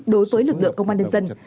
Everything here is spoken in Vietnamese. đối với lực lượng công an nhân dân